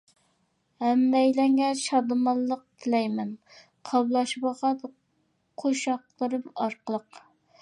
ھەممەيلەنگە شادىمانلىق تىلەيمەن، قاملاشمىغان قوشاقلىرىم ئارقىلىق.